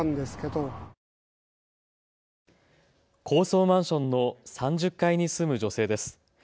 高層マンションの３０階に住む女性です。